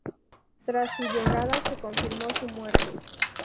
Tras su llegada, se confirmó su muerte.